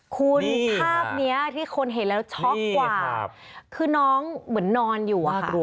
คุณภาพนี้ที่คนเห็นแล้วช็อกกว่าคือน้องเหมือนนอนอยู่อะค่ะ